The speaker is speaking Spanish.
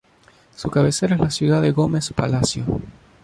Su cabecera es la ciudad de Gómez Palacio.